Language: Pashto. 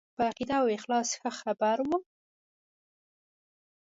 په عقیده او اخلاص ښه خبر وو.